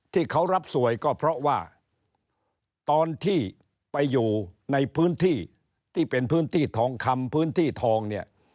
ที่เขารับสวยก็เพราะว่าตอนที่ไปอยู่ในพื้นที่ที่เป็นพื้นที่ทองคำพื้นที่ทองเนี่ย